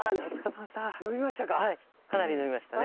かなり延びましたね。